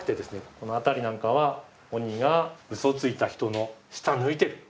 この辺りなんかは鬼がうそをついた人の舌抜いてる！